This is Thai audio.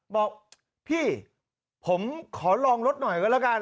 บอกพี่ผมขอลองรถหน่อยก็แล้วกัน